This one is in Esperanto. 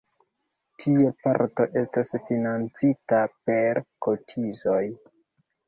Tie parto estas financita per kotizoj.